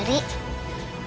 bisa budi sendiri